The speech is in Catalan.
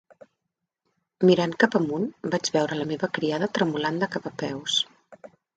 Mirant cap amunt, vaig veure la meva criada tremolant de cap a peus.